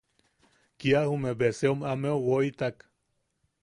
Kia jume beseom ameu woitak.